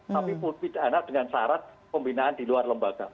tapi pun pidana dengan syarat pembinaan di luar lembaga